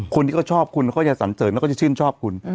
คนที่เขาชอบคุณเขาจะสันเสริญแล้วก็จะชื่นชอบคุณ